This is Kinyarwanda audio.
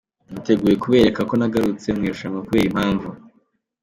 Niteguye kubereka ko nagarutse mu irushanwa kubera impamvu.